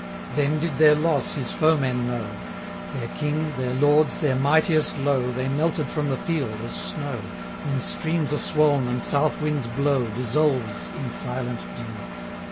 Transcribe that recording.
Then did their loss his foemen know; Their King, their Lords, their mightiest low, They melted from the field, as snow, 1050 When streams are swoln and south winds blow Dissolves in silent dew.